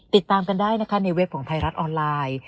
ติดตามกันได้นะคะในเว็บของไทยรัฐออนไลน์